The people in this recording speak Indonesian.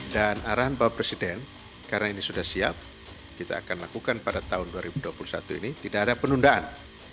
dan arahan bapak presiden karena ini sudah siap kita akan lakukan pada tahun dua ribu dua puluh satu ini tidak ada penundaan